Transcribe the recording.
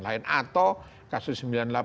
lain atau kasus sembilan puluh delapan